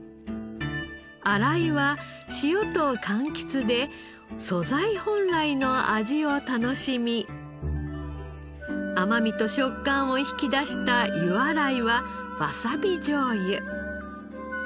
洗いは塩と柑橘で素材本来の味を楽しみ甘みと食感を引き出した湯洗いはわさび醤油。